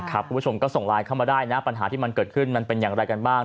คุณผู้ชมก็ส่งไลน์เข้ามาได้นะปัญหาที่มันเกิดขึ้นมันเป็นอย่างไรกันบ้าง